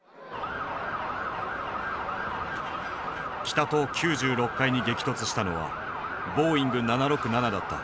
北棟９６階に激突したのはボーイング７６７だった。